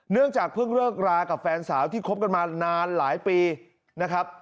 เนื่องจากเพิ่งเลิกรากับแฟนสาวที่คบกันมานานหลายปีนะครับ